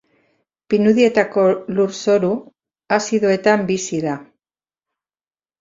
Pinudietako lurzoru azidoetan bizi da.